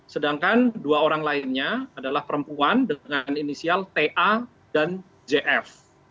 sedangkan dua orang lainnya adalah perempuan dengan inisial ta dan jf